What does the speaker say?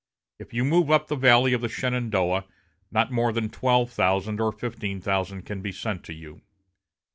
If you move up the valley of the Shenandoah, not more than twelve thousand or fifteen thousand can be sent to you.